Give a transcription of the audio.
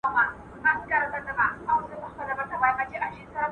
د ميرويس خان نيکه په ځوانۍ کي کومو خلګو پر کندهار واکمني کوله؟